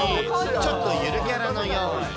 ちょっとゆるキャラのように。